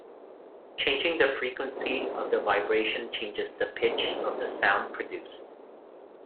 Changing the frequency of the vibration changes the pitch of the sound produced.